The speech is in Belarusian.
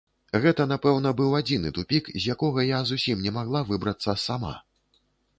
Гэта, напэўна, быў адзіны тупік, з якога я зусім не магла выбрацца сама.